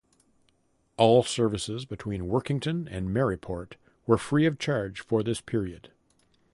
All services between Workington and Maryport were free of charge for this period.